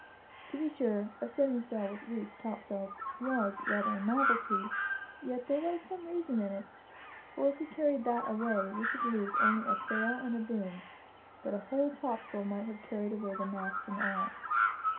To be sure, a studding sail with reefed topsails was rather a new thing; yet there was some reason in it, for if we carried that away, we should lose only a sail and a boom; but a whole topsail might have carried away the mast and all.